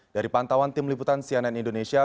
dari pantauan tim liputan cnn indonesia